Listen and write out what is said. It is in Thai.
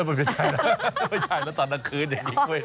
ไม่ใช่ละไม่ใช่ละตอนนักคืนเดี๋ยวนี้